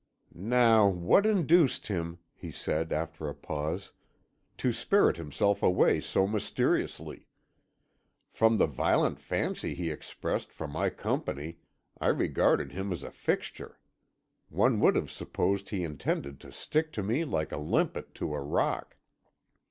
"Now what induced him," he said after a pause, "to spirit himself away so mysteriously? From the violent fancy he expressed for my company I regarded him as a fixture; one would have supposed he intended to stick to me like a limpet to a rock.